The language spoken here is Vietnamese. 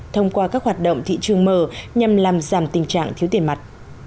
thông qua các hoạt động thị trường mở nhằm làm giảm tình trạng thiếu tiền mặt